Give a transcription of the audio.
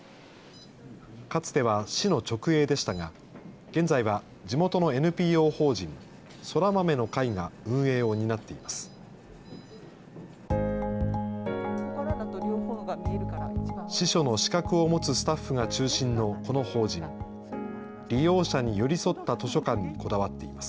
かつては市の直営でしたが、現在は地元のＮＰＯ法人そらまめの会が運営を担っています。